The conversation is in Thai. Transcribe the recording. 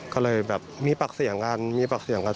ก็เลยแบบมีปากเสียงกันมีปากเสียงกัน